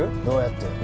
どうやって？